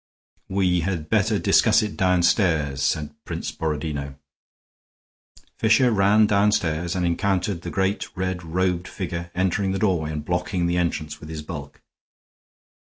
"We had better discuss it downstairs," said Prince Borodino. Fisher ran downstairs, and encountered the great, red robed figure entering the doorway and blocking the entrance with his bulk.